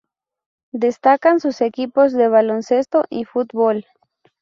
Destacan sus equipos de baloncesto y fútbol.